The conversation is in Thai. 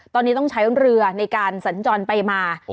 ตอนนี้ต้องใช้เรือในการสัญจรไปมา